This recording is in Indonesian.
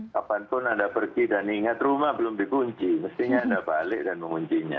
kapanpun anda pergi dan ingat rumah belum dikunci mestinya anda balik dan menguncinya